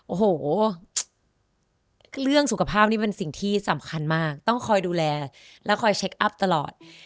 โอ้โหเรื่องสุขภาพนี่เป็นสิ่งที่สำคัญมากต้องคอยดูแลและคอยเช็คอัพตลอด